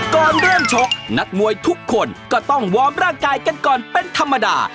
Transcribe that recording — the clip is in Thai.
ก่อนเริ่มชกนักมวยทุกคนก็ต้องวอร์มร่างกายกันก่อนเป็นธรรมดา